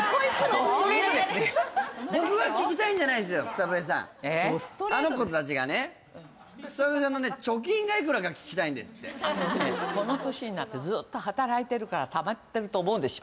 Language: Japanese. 草笛さんのね貯金がいくらか聞きたいんですってあのねこの年になってずっと働いてるから貯まってると思うでしょ？